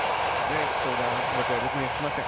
相談事は僕にはきません。